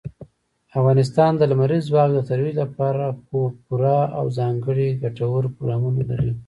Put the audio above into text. افغانستان د لمریز ځواک د ترویج لپاره پوره او ځانګړي ګټور پروګرامونه لري.